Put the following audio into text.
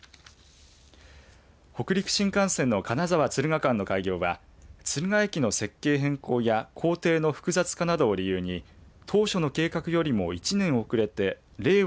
北陸新幹線の金沢・敦賀間の開業は敦賀駅の設計変更や工程の複雑化などを理由に当初の計画よりも１年遅れて令和